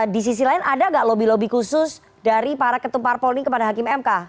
di sisi lain ada gak lobby lobby khusus dari para ketua parpol ini kepada hakim mk